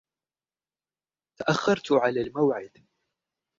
تأخرتُ على الموعد.